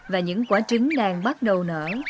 và những quả trứng đang bắt đầu nở